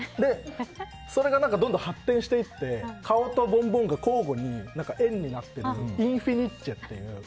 それがどんどん発展していって顔とボンボンが交互に円になってるインフィニッチェっていう。